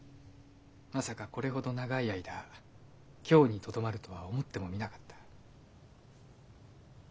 まさかこれほど長い間京にとどまるとは思ってもみなかった。